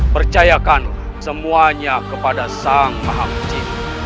percayakan semuanya kepada sang maha kunci